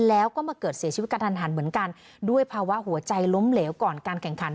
แล้วก็มาเกิดเสียชีวิตกระทันหันเหมือนกันด้วยภาวะหัวใจล้มเหลวก่อนการแข่งขัน